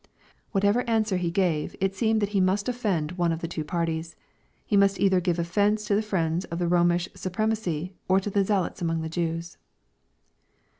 Whatever an swer He gave, it seemed that He must offend one of two parties. — ^He must either give offence to the friends of the Romish su premacy or to the zealots among the Jews.